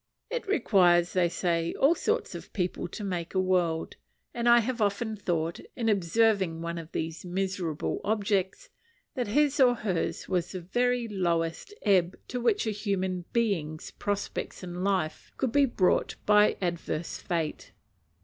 It requires, they say, all sorts of people to make a world; and I have often thought, in observing one of these miserable objects, that his, or hers, was the very lowest ebb to which a human being's prospects in life could be brought by adverse fate.